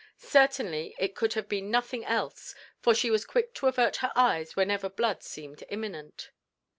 Certainly it could have been nothing else, for she was quick to avert her eyes whenever blood seemed imminent.